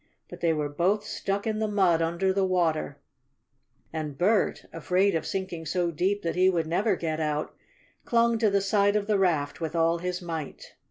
But they were both stuck in the mud under the water, and Bert, afraid of sinking so deep that he would never get out, clung to the side of the raft with all his might.